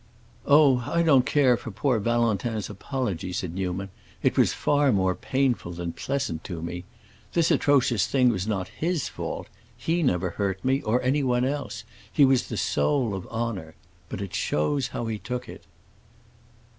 "Oh, I don't care for poor Valentin's apology," said Newman. "It was far more painful than pleasant to me. This atrocious thing was not his fault; he never hurt me, or anyone else; he was the soul of honor. But it shows how he took it."